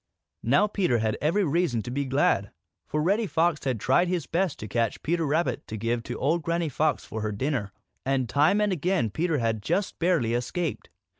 Now Peter had every reason to be glad, for Reddy Fox had tried his best to catch Peter Rabbit to give to old Granny Fox for her dinner, and time and again Peter had just barely escaped.